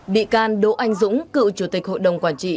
bị can đỗ anh dũng cựu chủ tịch hội đồng quản trị